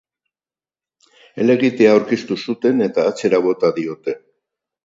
Helegitea aurkeztu zuten eta atzera bota diote.